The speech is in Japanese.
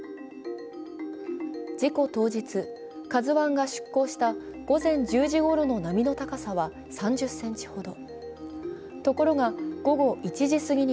事故当日「ＫＡＺＵⅠ」が出航した午前１０時ごろの波の高さは３０ｃｍほど。